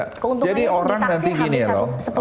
keuntungan yang ditaksir habis sepuluh triliun pak